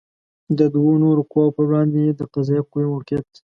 د دوو نورو قواوو پر وړاندې د قضائیه قوې موقعیت